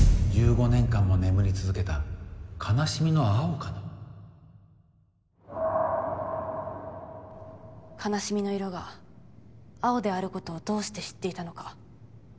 １５年間も眠り続けた「悲しみ」「悲しみ」の色が青であることをどうして知っていたのか。